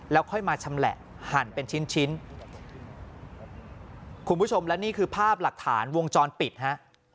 แล้วค่อยมาชำแหละหั่นเป็นชิ้นชิ้นคุณผู้ชมและนี่คือภาพหลักฐานวงจรปิดฮะ